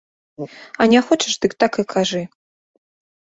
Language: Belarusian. А не хочаш, дык так і кажы.